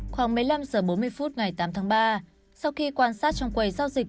khoảng một mươi năm h bốn mươi phút ngày tám tháng ba sau khi quan sát trong quầy giao dịch